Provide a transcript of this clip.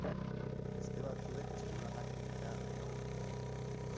Beste batzuek eskulanak egitea nahiago dute.